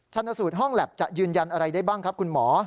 ชนสูตรห้องแล็บจะยืนยันอะไรได้บ้างครับคุณหมอ